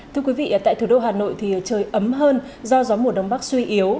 thưa quý vị tại thủ đô hà nội thì trời ấm hơn do gió mùa đông bắc suy yếu